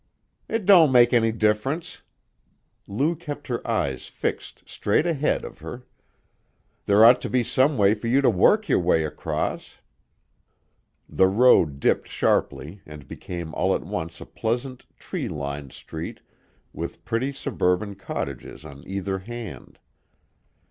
"It don't make any difference." Lou kept her eyes fixed straight ahead of her. "There ought to be some way for you to work your way across." The road dipped sharply, and became all at once a pleasant, tree lined street with pretty suburban cottages on either hand.